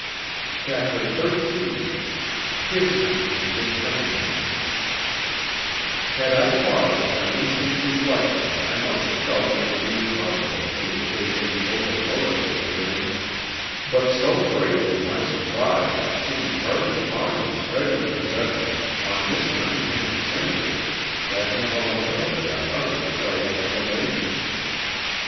CHAPTER XIII "Kismet and Miss Cunningham" Had I paused for an instant's reflection I must have felt that it would be impossible for me to take any open notice of the ring, but so great was my surprise at seeing Harvey Farnham's treasured possession on Miss Cunningham's finger that involuntarily I uttered a slight exclamation.